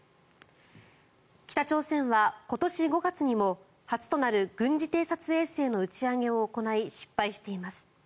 北朝鮮は、今年５月にも初となる軍事偵察衛星の打ち上げを行い失敗しています。